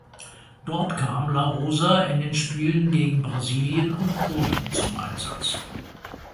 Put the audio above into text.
Dort kam La Rosa in den Spielen gegen Brasilien und Polen zum Einsatz.